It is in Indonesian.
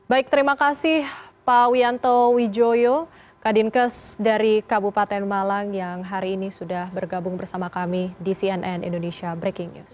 baik terima kasih pak wianto wijoyo kadinkes dari kabupaten malang yang hari ini sudah bergabung bersama kami di cnn indonesia breaking news